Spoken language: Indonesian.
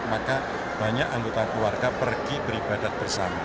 maka banyak anggota keluarga pergi beribadat bersama